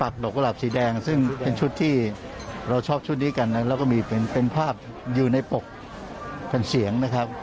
ดอกกุหลับสีแดงซึ่งเป็นชุดที่เราชอบชุดนี้กันนะแล้วก็มีเป็นภาพอยู่ในปกเป็นเสียงนะครับ